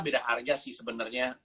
beda harga sih sebenarnya